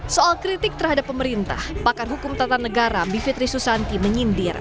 soal kritik terhadap pemerintah pakar hukum tata negara bivitri susanti menyindir